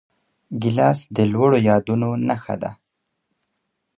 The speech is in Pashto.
ګیلاس د لوړو یادونو نښه ده.